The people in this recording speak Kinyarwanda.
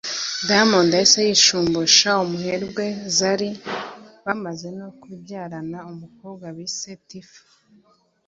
Diamond yahise yishumbusha umuherwe Zari bamaze no kubyarana umukobwa bise Tiffah